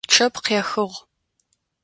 Чъэп къехыгъ.